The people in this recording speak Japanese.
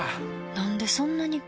なんでそんなに